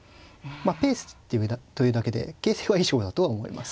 ペースというだけで形勢はいい勝負だとは思います。